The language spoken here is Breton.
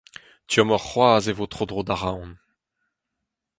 Tommoc'h c'hoazh e vo tro-dro da Roazhon.